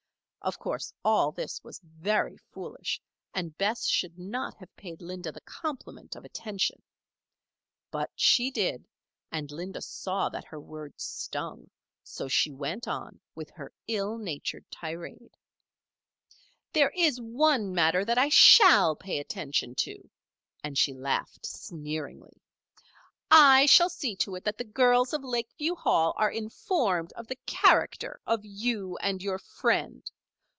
Of course, all this was very foolish, and Bess should not have paid Linda the compliment of attention. But she did, and Linda saw that her words stung so she went on with her ill natured tirade: "There is one matter that I shall pay attention to," and she laughed, sneeringly. "I shall see to it that the girls of Lakeview Hall are informed of the character of you and your friend.